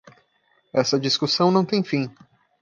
Essa discussão não tem fim